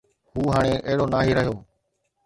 هو هاڻي اهڙو ناهي رهيو.